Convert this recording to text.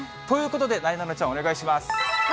ということで、なえなのちゃん、お願いします。